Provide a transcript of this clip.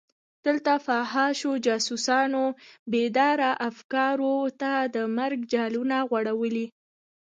دلته فحاشو جاسوسانو بېداره افکارو ته د مرګ جالونه غوړولي.